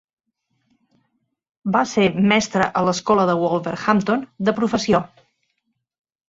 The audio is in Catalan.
Va ser mestre a l'escola de Wolverhampton de professió.